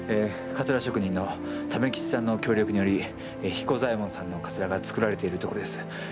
かつら職人の為吉さんの協力により彦左衛門さんのかつらが作られているところです。